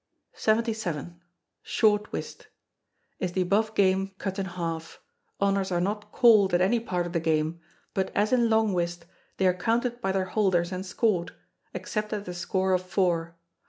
] 77. Short Whist is the above game cut in half. Honours are not called at any part of the game; but, as in Long Whist, they are counted by their holders and scored except at the score of four.